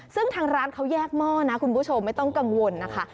ซึ่งทางร้านเขาแยกหม้อนะคุณผู้ชมไม่ต้องกังวลนะคะ